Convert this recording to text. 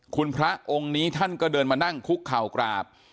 คุณพระองค์นี้ท่านก็เดินมานั่งคุกเข่ากราบ